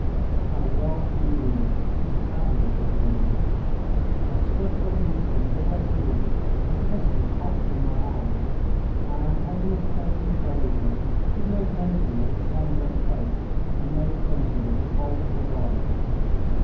How well she knew me, this admirable woman! I stood for an instant irresolute, with the pistol cocked in my hand. My antagonist faced me bravely, with no blenching of his sunburnt face and no flinching of his bold, blue eyes.